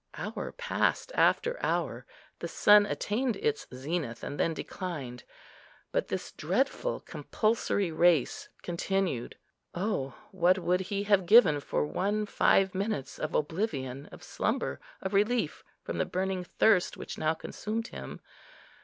Hour passed after hour, the sun attained its zenith, and then declined, but this dreadful compulsory race continued. Oh, what would he have given for one five minutes of oblivion, of slumber, of relief from the burning thirst which now consumed him!